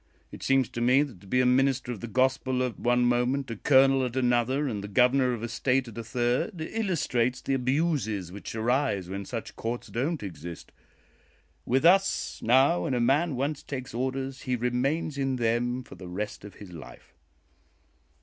"It seems to me that to be a minister of the Gospel at one moment, a colonel at another, and the Governor of a State at a third, illustrates the abuses which arise when such courts don't exist. With us, now, when a man once takes orders, he remains in them for the rest of his life."